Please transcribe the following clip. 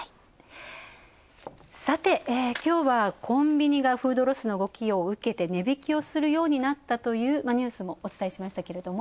さて今日は、コンビニがフードロスの動きを受けて値引きをするようになったというニュースもお伝えしましたが。